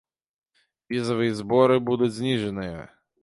Візавыя зборы будуць зніжаныя.